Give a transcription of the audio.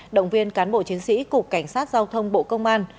động viên cán bộ chiến sĩ cục cảnh sát giao thông bộ công an